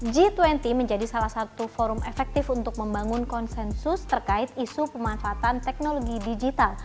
g dua puluh menjadi salah satu forum efektif untuk membangun konsensus terkait isu pemanfaatan teknologi digital